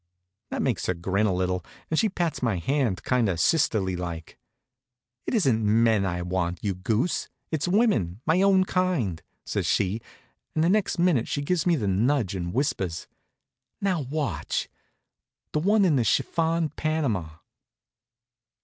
That makes her grin a little, and she pats my hand kind of sisterly like. "It isn't men I want, you goose; it's women my own kind," says she, and the next minute she gives me the nudge and whispers: "Now, watch the one in the chiffon Panama."